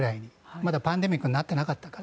まだパンデミックになっていなかったから。